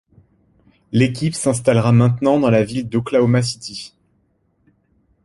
L'équipe s'installera maintenant dans la ville d'Oklahoma City.